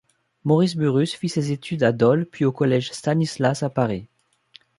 Maurice Burrus fit ses études à Dole, puis au collège Stanislas à Paris.